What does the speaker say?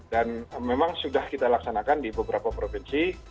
dan memang sudah kita laksanakan di beberapa provinsi